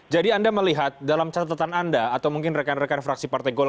jadi anda melihat dalam catatan anda atau mungkin rekan rekan fraksi partai golkar